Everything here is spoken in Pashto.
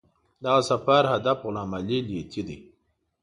د دغه سفر هدف غلام علي لیتي دی.